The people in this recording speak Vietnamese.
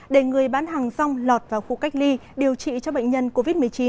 để người bán hàng rong lọt vào khu cách ly điều trị cho bệnh nhân covid một mươi chín